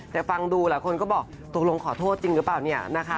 แต่ฟังดูหลายคนก็บอกตกลงขอโทษจริงหรือเปล่าเนี่ยนะคะ